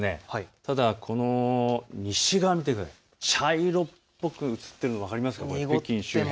ただ西側、茶色っぽく写っているの分かりますか。